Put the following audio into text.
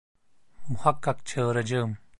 Muhakkak çağıracağım!